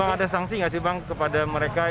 ada sanksi nggak sih bang kepada mereka